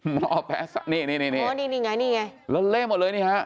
มอแป๊ะซะนี่นี่นี่นี่นี่ไงนี่ไงละเล่มหมดเลยนี่ฮะ